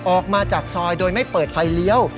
ออกมาจากซอยโดยไม่เปิดไฟเลี้ยว